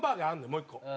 もう１個。